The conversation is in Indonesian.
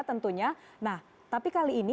tentunya nah tapi kali ini